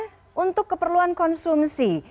kemudian untuk keperluan konsumsi